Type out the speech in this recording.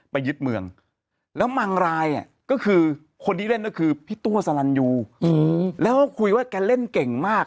ไปยึดเมืองแล้วมังรายก็คือคนที่เล่นก็คือพี่ตัวสลันยูแล้วก็คุยว่าแกเล่นเก่งมาก